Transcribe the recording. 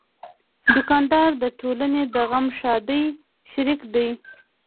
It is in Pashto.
دوکاندار د ټولنې د غم ښادۍ شریک دی.